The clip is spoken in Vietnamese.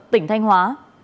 tỉnh thanh hóa